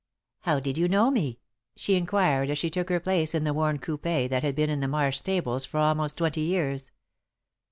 "How did you know me?" she inquired, as she took her place in the worn coupé that had been in the Marsh stables for almost twenty years.